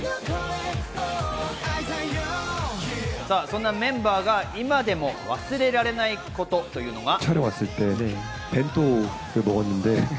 そんなメンバーが今でも忘れられないことというのが。